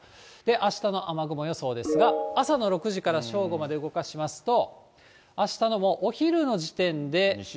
あしたの雨雲予想ですが、朝の６時から正午まで動かしますと、あしたもうお昼の時点で。